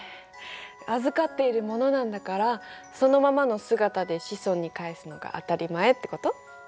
預かっている物なんだからそのままの姿で子孫に返すのが当たり前ってこと？